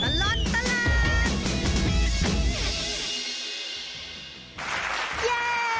ช่วงตลอดตลาด